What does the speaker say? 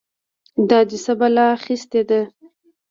دا دې څه بلا اخيستې ده؟!